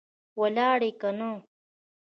ولاړې که نه؟